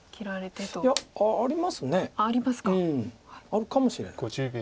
あるかもしれない。